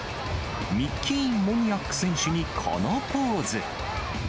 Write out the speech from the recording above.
ミッキー・モニアック選手にこのポーズ。